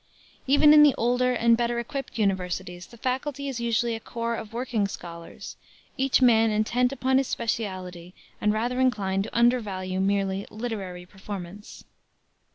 Even in the older and better equipped universities the faculty is usually a corps of working scholars, each man intent upon his specialty and rather inclined to undervalue merely "literary" performance.